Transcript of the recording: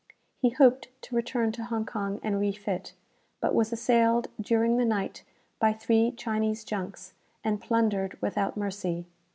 He hoped to return to Hong Kong and refit, but was assailed during the night by three Chinese junks, and plundered without mercy.